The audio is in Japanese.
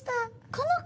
この子？